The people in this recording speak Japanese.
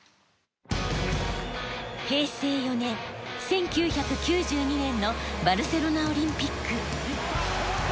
平成４年１９９２年のバルセロナオリンピック。